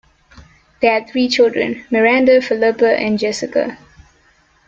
They had three children, Miranda, Philippa, and Jessica.